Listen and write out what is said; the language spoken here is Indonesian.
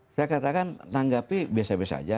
saya katakan tanggapi biasa biasa saja